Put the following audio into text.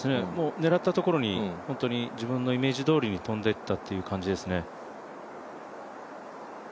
狙ったところに自分のイメージどおりに飛んでったって感じですね。